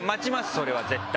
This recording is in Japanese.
それは絶対。